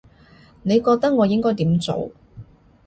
你覺得我應該點做